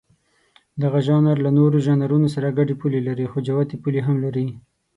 دغه ژانر له نورو ژانرونو سره ګډې پولې لري، خو جوتې پولې هم لري.